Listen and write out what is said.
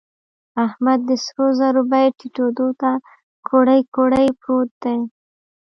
احمد د سرو زرو بيې ټيټېدو ته کوړۍ کوړۍ پروت دی.